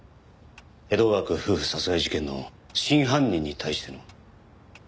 江戸川区夫婦殺害事件の真犯人に対しての。